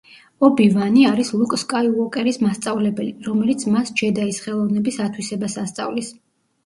ობი-ვანი არის ლუკ სკაიუოკერის მასწავლებელი, რომელიც მას ჯედაის ხელოვნების ათვისებას ასწავლის.